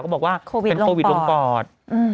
บอกว่าเป็นโควิดลงปอด